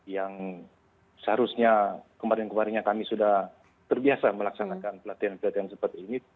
yang seharusnya kemarin kemarinnya kami sudah terbiasa melaksanakan pelatihan pelatihan seperti ini